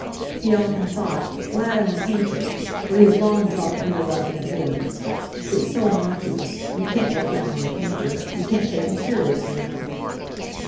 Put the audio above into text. He often thought, "Glad I'm a painter" for he had long dropped under writing at Lloyds—"it's so innocuous. You can't look down on a painter—you can't take him seriously enough."